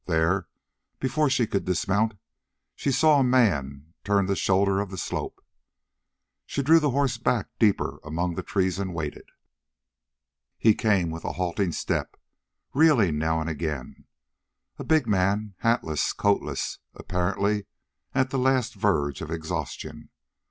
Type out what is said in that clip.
There, before she could dismount, she saw a man turn the shoulder of the slope. She drew the horse back deeper among the trees and waited. He came with a halting step, reeling now and again, a big man, hatless, coatless, apparently at the last verge of exhaustion.